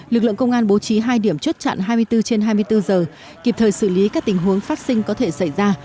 lực lượng công an bố trí hai điểm chốt chặn hai mươi bốn trên hai mươi bốn giờ kịp thời xử lý các tình huống phát sinh có thể xảy ra